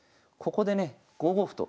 ここでね５五歩と。